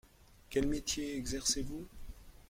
Quel métier exercez-vous ?